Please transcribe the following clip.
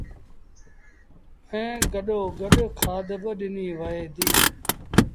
ائيٚݩ گڏو گڏ کآڌ با ڏنيٚ وهي ديٚ